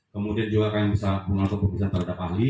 kemudian juga kami bisa melakukan pemisahan terhadap ahli